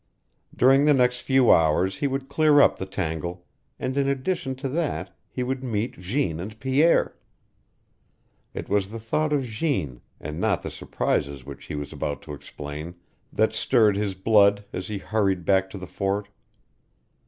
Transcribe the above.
During the next few hours he would clear up the tangle, and in addition to that he would meet Jeanne and Pierre. It was the thought of Jeanne, and not of the surprises which he was about to explain, that stirred his blood as he hurried back to the Fort.